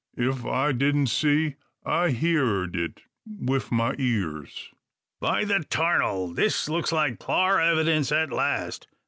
If I didn't see, I heerd it wif ma ears." "By the 'tarnal! this looks like clar evydince at last.